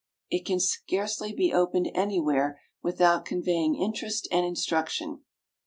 _ It can scarcely be opened anywhere without conveying interest and instruction.